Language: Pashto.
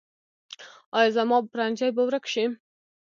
ایا زما پرنجی به ورک شي؟